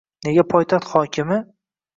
Nega poytaxt hokimi J